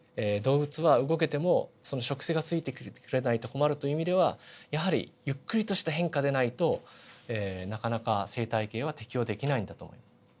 動物は動けてもその植生がついてきてくれないと困るという意味ではやはりゆっくりとした変化でないとなかなか生態系は適応できないんだと思います。